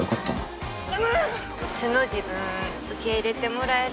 素の自分受け入れてもらえるって自信ある？